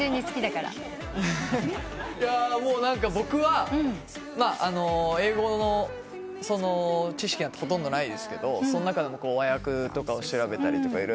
僕は英語の知識なんてほとんどないですけどその中でも和訳とかを調べたりとか色々して。